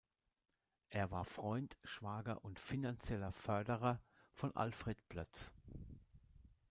Er war Freund, Schwager und finanzieller Förderer von Alfred Ploetz.